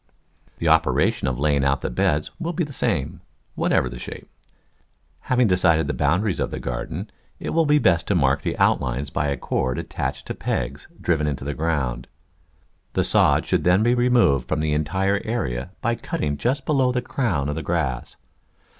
The operation of laying out the beds will be the same, whatever the shape. Having decided the boundaries of the garden it will be best to mark the outlines by a cord attached to pegs driven into the ground. The sod should then be removed from the entire area by cutting just below the crown of the grass.